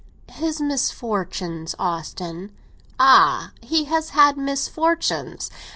"His misfortunes, Austin." "Ah, he has had misfortunes?